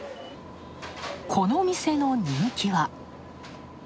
この店の人気は。